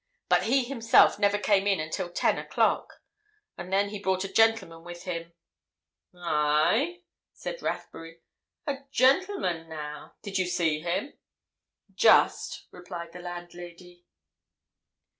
But he himself never came in until ten o'clock. And then he brought a gentleman with him." "Aye?" said Rathbury. "A gentleman, now? Did you see him?" "Just," replied the landlady.